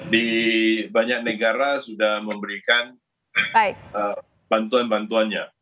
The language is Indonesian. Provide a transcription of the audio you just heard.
di banyak negara sudah memberikan bantuan bantuannya